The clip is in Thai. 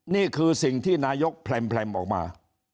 นี่คือสิ่งที่นายกแพร่มออกมา